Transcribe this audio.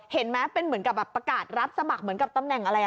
เห็นไหมเป็นเหมือนกับแบบประกาศรับสมัครเหมือนกับตำแหน่งอะไร